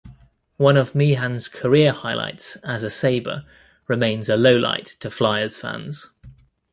One of Meehan's career highlights as a Sabre remains a lowlight to Flyers fans.